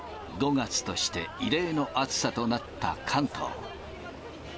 ５月として異例の暑さとなった関東。